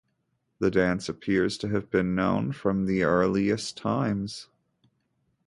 The dance appears to have been known from the earliest times.